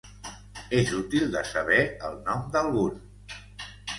És útil de saber el nom d’algun.